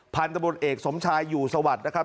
พันกบเอกสมชายอยู่แสวดนะครับ